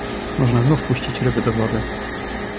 "Można znów puścić ryby do wody."